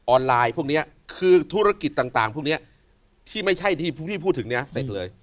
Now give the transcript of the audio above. ไลน์พวกนี้คือธุรกิจต่างพวกนี้ที่ไม่ใช่ที่พวกพี่พูดถึงเนี่ยเสร็จเลย